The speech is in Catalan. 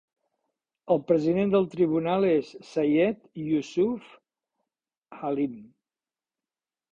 El president del tribunal és Sayed Yousuf Halim.